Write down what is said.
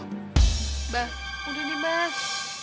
pak udah deh pak